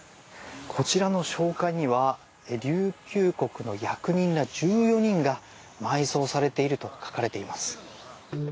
こちらの紹介には琉球国の役人ら１４人が埋葬されていると書かれています。